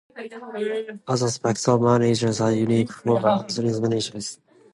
Other aspects of management are unique for association managers.